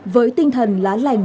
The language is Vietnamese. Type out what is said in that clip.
với tinh thần lá lành